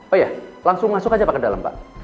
oh iya langsung masuk aja pak ke dalam pak